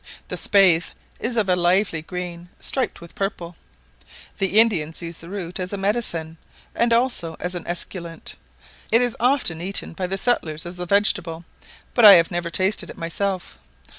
The spathe is of a lively green, striped with purple: the Indians use the root as a medicine, and also as an esculent; it is often eaten by the settlers as a vegetable, but I never tasted it myself.